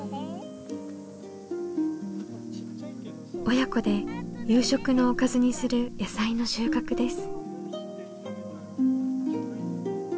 親子で夕食のおかずにする野菜の収穫です。